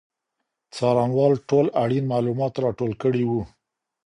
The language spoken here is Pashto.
څارنوال ټول اړین معلومات راټول کړي وو.